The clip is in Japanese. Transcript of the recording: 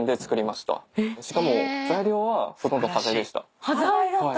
しかも材料はほとんど端材でした。